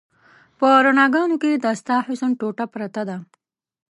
په رڼاګانو کې د ستا حسن ټوټه پرته ده